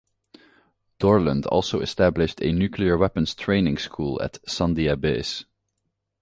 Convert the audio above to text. Dorland also established a nuclear weapons training school at Sandia Base.